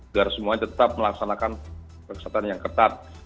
agar semua tetap melaksanakan persetan yang ketat